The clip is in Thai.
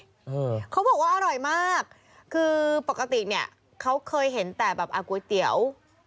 เออเขาบอกว่าอร่อยมากคือปกติเนี้ยเขาเคยเห็นแต่แบบอ่ะก๋วยเตี๋ยว